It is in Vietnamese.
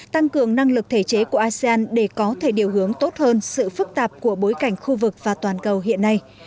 tăng cường năng lực thể chế của asean để có thể điều hướng tốt hơn sự phức tạp của bối cảnh khu vực và toàn cầu hiện nay